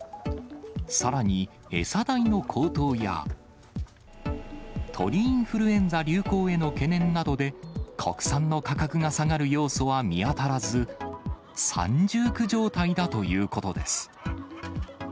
さらに、餌代の高騰や、鳥インフルエンザ流行への懸念などで、国産の価格が下がる要素は見当たらず、三重苦状態だということです。